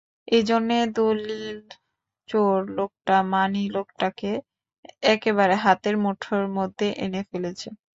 এজন্যে দলিল-চোর লোকটা মানী লোকটাকে একেবারে হাতের মুঠোর মধ্যে এনে ফেলেছে।